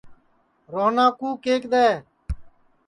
روہنا کُو کیک دؔے